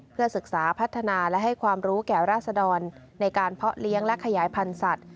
เพื่อศึกษาพัฒนาและให้ความรู้แก่ราษดรในการเพาะเลี้ยงและขยายพันธุ์สัตว